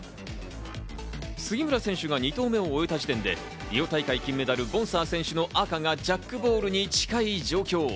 杉村選手が２投目を終えた時点でリオ大会で金メダル、ボンサー選手の赤がジャックボールに近い状況。